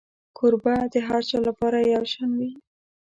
کوربه د هر چا لپاره یو شان وي.